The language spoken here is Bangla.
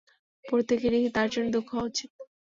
প্রত্যেকেরই তার জন্য দুঃখিত হওয়া উচিত।